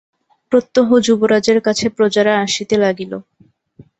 প্রত্যহ যুবরাজের কাছে প্রজারা আসিতে লাগিল।